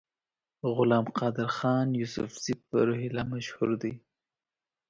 غلام قادرخان یوسفزي په روهیله مشهور دی.